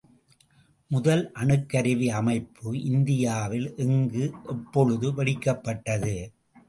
முதல் அணுக்கருவி அமைப்பு இந்தியாவில் எங்கு, எப்பொழுது வெடிக்கப்பட்டது?